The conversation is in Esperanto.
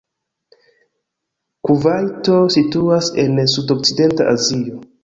Kuvajto situas en sudokcidenta Azio.